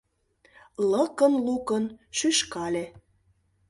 Лыкын-лукын шӱшкале.